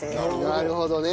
なるほどね。